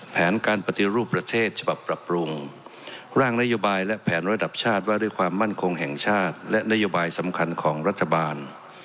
แผนการปฏิรูปประเทศฉบับปรับปรุงร่างนโยบายและแผนระดับชาติว่าด้วยความมั่นคงแห่งชาติและนโยบายสำคัญของรัฐบาล